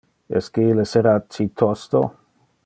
Esque ille sera ci tosto?